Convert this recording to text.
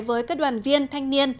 với các đoàn viên thanh niên